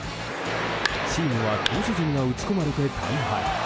チームは投手陣が打ち込まれて大敗。